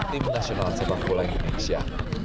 tim nasional sepak bola indonesia